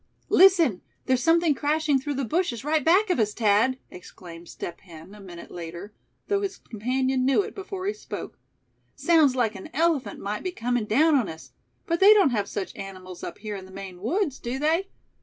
"Listen! there's something crashing through the bushes right back of us, Thad!" exclaimed Step Hen, a minute later, though his companion knew it before he spoke. "Sounds like an elephant might be coming down on us; but they don't have such animals up here in the Maine woods, do they?